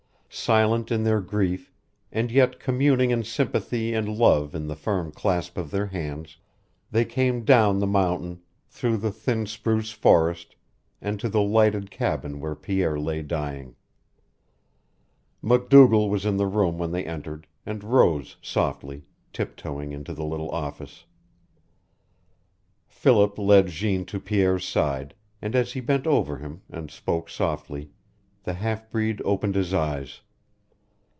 Silent in their grief, and yet communing in sympathy and love in the firm clasp of their hands, they came down the mountain, through the thin spruce forest, and to the lighted cabin where Pierre lay dying. MacDougall was in the room when they entered, and rose softly, tiptoeing into the little office. Philip led Jeanne to Pierre's side, and as he bent over him, and spoke softly, the half breed opened his eyes.